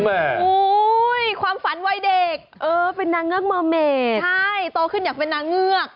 โอ้โหความฝันวัยเด็กเออเป็นนางเงือกมอร์เมดใช่โตขึ้นอยากเป็นนางเงือก